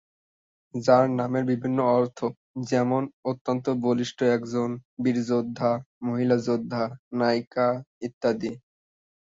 যার নামের বিভিন্ন অর্থ যেমন 'অত্যন্ত বলিষ্ঠ একজন, বীর যোদ্ধা, মহিলা যোদ্ধা, নায়িকা ইত্যাদি।